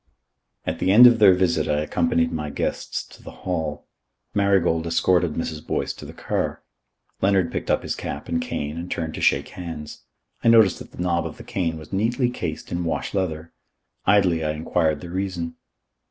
At the end of their visit I accompanied my guests to the hall. Marigold escorted Mrs. Boyce to the car. Leonard picked up his cap and cane and turned to shake hands. I noticed that the knob of the cane was neatly cased in wash leather. Idly I enquired the reason.